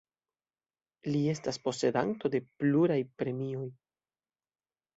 Li estas posedanto de pluraj premioj.